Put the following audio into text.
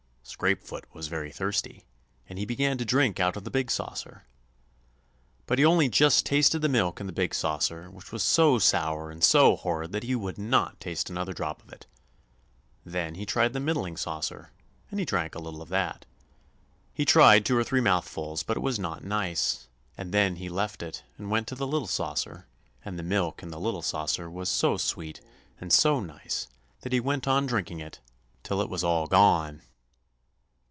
Scrapefoot was very thirsty, and he began to drink out of the big saucer. But he only just tasted the milk in the big saucer, which was so sour and so horrid that he would not taste another drop of it. Then he tried the middling saucer, and he drank a little of that. He tried two or three mouthfuls, but it was not nice, and then he left it and went to the little saucer, and the milk in the little saucer was so sweet and so nice that he went on drinking it till it was all gone.